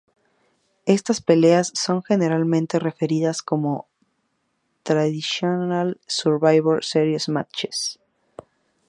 Estas peleas son generalmente referidas como "Traditional Survivor Series matches".